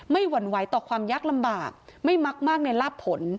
หวั่นไหวต่อความยากลำบากไม่มักมากในลาบผล